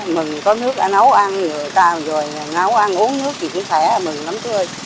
mình có nước đã nấu ăn người ta rồi nấu ăn uống nước thì cũng khỏe mừng lắm chú ơi